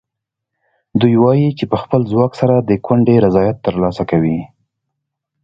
دوی وایي چې په خپل ځواک سره د کونډې رضایت ترلاسه کوي.